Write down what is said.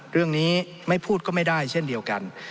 เรื่องนี้ไม่พูดก็ไม่ได้เช่นเดียวกัน